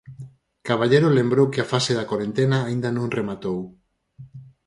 Caballero lembrou que a fase da corentena aínda non rematou.